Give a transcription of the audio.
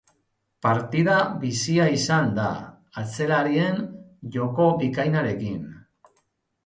Partida bizia izan da, atzelarien jokobikainarekin.